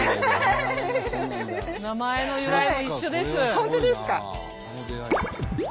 本当ですか。